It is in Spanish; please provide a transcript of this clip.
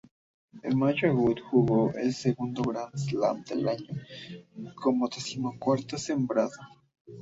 En Mayo, Agut jugó el segundo Grand Slam del año como decimocuarto sembrado.